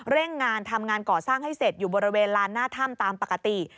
งานทำงานก่อสร้างให้เสร็จอยู่บริเวณลานหน้าถ้ำตามปกติ